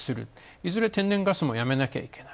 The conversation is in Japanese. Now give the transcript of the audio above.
いずれ天然ガスもやめなきゃいけない。